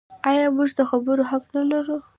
آیا موږ د خبرو حق نلرو؟